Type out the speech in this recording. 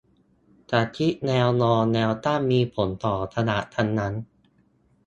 จะคิดแนวนอนแนวตั้ง มีผลต่อตลาดทั้งนั้น